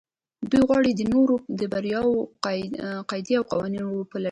دوی غواړي د نورو د برياوو قاعدې او قوانين وپلټي.